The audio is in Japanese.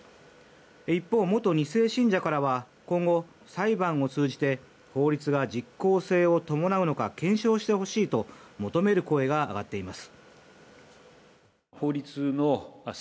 一方、元２世信者からは今後、裁判を通じて法律が実効性を伴うのか検証してほしいと求める声が上がっています。